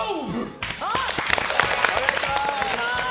お願いします。